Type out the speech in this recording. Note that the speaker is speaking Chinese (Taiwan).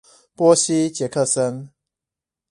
波西傑克森